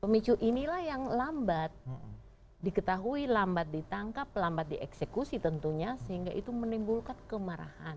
pemicu inilah yang lambat diketahui lambat ditangkap lambat dieksekusi tentunya sehingga itu menimbulkan kemarahan